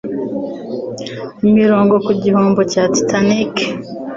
Imirongo ku gihombo cya "Titanic"